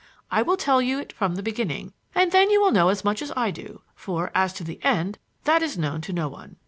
I will tell you it from the beginning, and then you will know as much as I do; for, as to the end, that is known to no one.